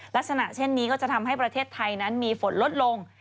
ลักษณะเช่นนี้ก็จะทำให้ประเทศไทยนั้นมีฝนลดลง